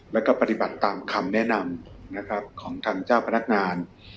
และปฏิบัติตามคำแนะนำของทางเจ้าพนักงาน